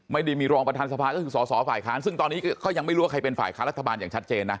ไม่ได้มีรองประธานสภาก็คือสอสอฝ่ายค้านซึ่งตอนนี้ก็ยังไม่รู้ว่าใครเป็นฝ่ายค้ารัฐบาลอย่างชัดเจนนะ